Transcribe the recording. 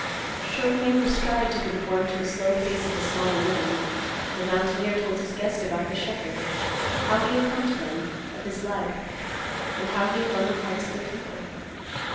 Shortening his stride to conform to the slow pace of the smaller man, the mountaineer told his guest about the shepherd; how he had come to them; of his life; and how he had won the hearts of the people.